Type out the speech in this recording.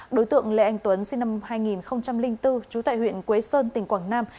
đối tượng lê anh tuấn sinh năm hai nghìn bốn trú tại huyện quế sơn tỉnh quảng nam